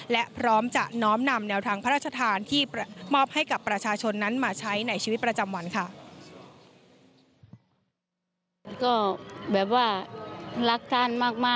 และพร้อมจะน้อมนำแนวทางพระราชทานที่มอบให้กับประชาชนนั้นมาใช้ในชีวิตประจำวันค่ะ